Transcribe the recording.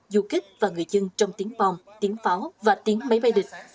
du kích và người dân trong tiếng bom tiếng pháo và tiếng máy bay địch